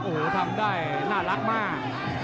โอ้โหทำได้น่ารักมาก